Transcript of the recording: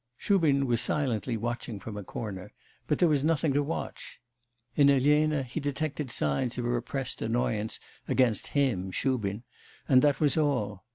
Shubin was silently watching from a corner, but there was nothing to watch. In Elena he detected signs of repressed annoyance against him Shubin and that was all.